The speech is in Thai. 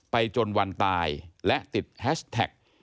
จนวันตายและติดแฮชแท็ก